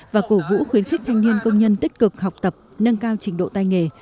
và cổ vũ khuyến khích thanh niên công nhân tích cực học tập nâng cao trình độ tay nghề